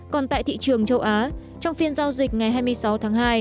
còn tại thị trường châu á trong phiên giao dịch ngày hai mươi sáu tháng hai